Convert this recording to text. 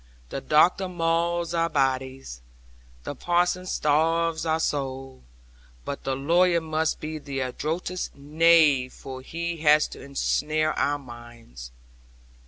The doctor mauls our bodies; the parson starves our souls, but the lawyer must be the adroitest knave, for he has to ensnare our minds.